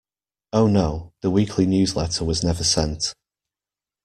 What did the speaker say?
Oh no, the weekly newsletter was never sent!